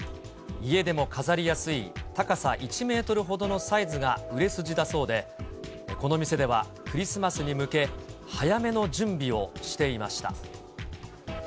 家でも飾りやすい、高さ１メートルほどのサイズが売れ筋だそうで、この店ではクリスマスに向け、早めの準備をしていました。